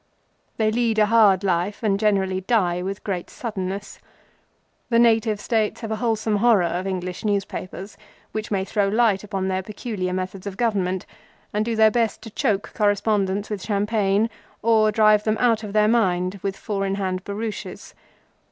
They lead a hard life, and generally die with great suddenness. The Native States have a wholesome horror of English newspapers, which may throw light on their peculiar methods of government, and do their best to choke correspondents with champagne, or drive them out of their mind with four in hand barouches.